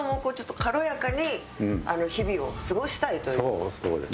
そうそうです。